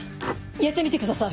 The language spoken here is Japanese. やってみてください！